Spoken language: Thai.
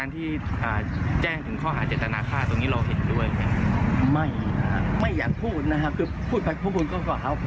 แต่ว่าในความจริงคิดตรงมันก็ชนหน่อย